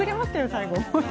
最後。